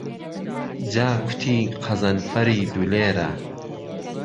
جاکوتی قەزنهفهرەی دولێره